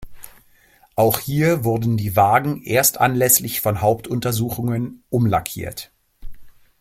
Auch hier wurden die Wagen erst anlässlich von Hauptuntersuchungen umlackiert.